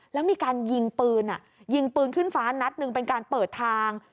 แล้วมีการยิงปืนยิงปืนขึ้นฟ้านัดหนึ่งเป็นการเปิดทาง